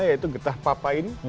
yaitu getah papain